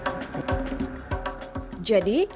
jadi jangan lupa konsumsi